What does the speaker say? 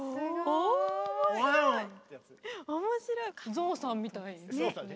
ゾウさんみたい。